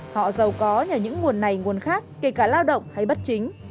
họ giàu có nhờ những nguồn này nguồn khác kể cả lao động hay bất chính